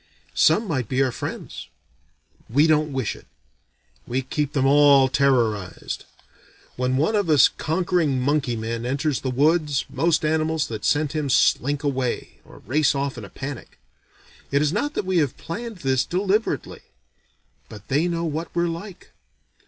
Some might be our friends. We don't wish it. We keep them all terrorized. When one of us conquering monkey men enters the woods, most animals that scent him slink away, or race off in a panic. It is not that we have planned this deliberately: but they know what we're like.